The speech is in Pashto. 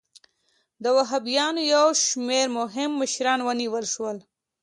د وهابیانو یو شمېر مهم مشران ونیول شول.